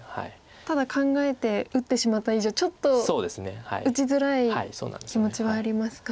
ただ考えて打ってしまった以上ちょっと打ちづらい気持ちはありますか。